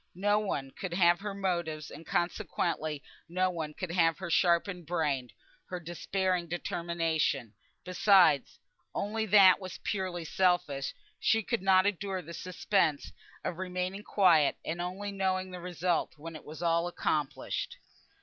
No one could have her motives; and consequently no one could have her sharpened brain, her despairing determination. Besides (only that was purely selfish), she could not endure the suspense of remaining quiet, and only knowing the result when all was accomplished.